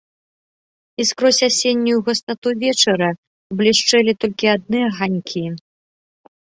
І скрозь асеннюю густату вечара блішчэлі толькі адны аганькі.